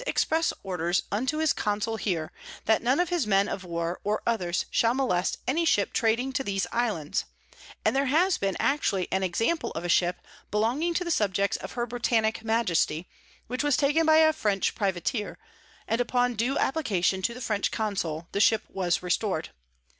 _] express Orders unto his Consul here, that none of his Men of War or others shall molest any Ship trading to these Islands: and there has been actually an Example of a Ship belonging to the Subjects of her Britannick Majesty, which was taken by a French Privateer, and upon due Application to the French Consul, the Ship was restor'd.